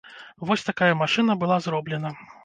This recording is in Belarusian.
Вось такая машына была зроблена.